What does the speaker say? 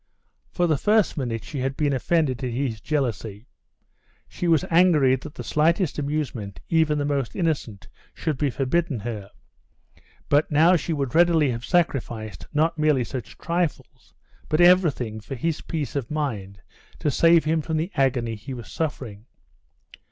For the first minute she had been offended at his jealousy; she was angry that the slightest amusement, even the most innocent, should be forbidden her; but now she would readily have sacrificed, not merely such trifles, but everything, for his peace of mind, to save him from the agony he was suffering.